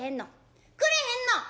「くれへんの？